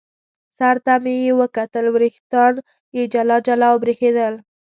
سر ته مې یې وکتل، وریښتان یې جلا جلا او برېښېدل.